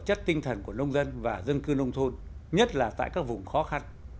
chất tinh thần của nông dân và dân cư nông thôn nhất là tại các vùng khó khăn